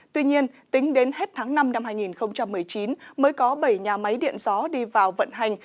tuy nhiên tính đến hết tháng năm năm hai nghìn một mươi chín mới có bảy nhà máy điện gió đi vào vận hành